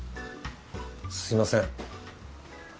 すみません。